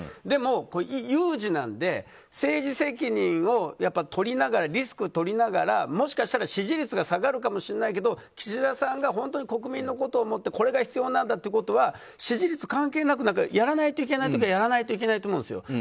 でも、有事なので政治責任を取りながらリスクを取りながらもしかしたら支持率が下がるかもしれないけど岸田さんが本当に国民のことを思ってこれが必要なんだということは支持率関係なくやらないといけないことはやらないといけないと思うんですよ。